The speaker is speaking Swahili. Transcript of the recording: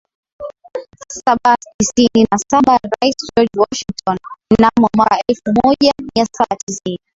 saba tisini na sabaRais George Washington mnamo mwaka elfu moja mia saba tisini